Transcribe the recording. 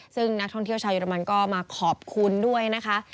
ซึ่งนักท่องเที่ยวชาวเยอรมันก็มาขอบคุณด้วยนะคะ